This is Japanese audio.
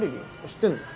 知ってんの？